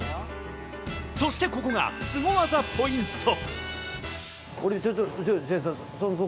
そして、ここがスゴ技ポイント。